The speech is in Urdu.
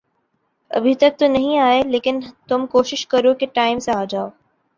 ابھی تک تو نہیں آئے، لیکن تم کوشش کرو کے ٹائم سے آ جاؤ۔